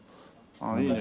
あっいいね。